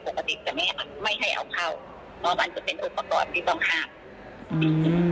เนอะมันก็เป็นอุปกรณ์ที่ต้องคราบอืมตอนนี้ก็ก็ก็บอกสิทธิ์ไว้ว่า